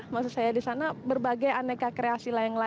maksud saya di sana berbagai aneka kreasi layang layang